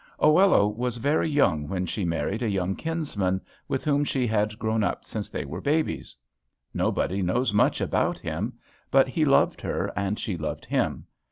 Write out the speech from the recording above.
Oello was very young when she married a young kinsman, with whom she had grown up since they were babies. Nobody knows much about him. But he loved her and she loved him.